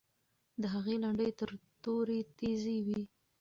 د هغې لنډۍ تر تورې تیزې وې.